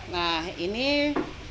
nah ini jahe